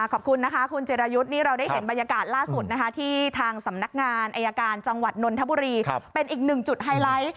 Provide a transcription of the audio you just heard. ขอบคุณนะคะคุณจิรายุทธ์นี่เราได้เห็นบรรยากาศล่าสุดนะคะที่ทางสำนักงานอายการจังหวัดนนทบุรีเป็นอีกหนึ่งจุดไฮไลท์